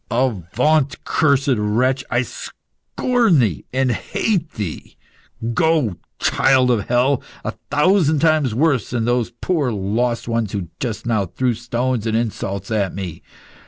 "Avaunt, cursed wretch! I scorn thee and hate thee. Go, child of hell, a thousand times worse than those poor lost ones who just now threw stones and insults at me!